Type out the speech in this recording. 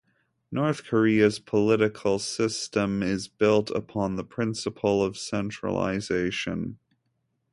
North Korea's political system is built upon the principle of centralization.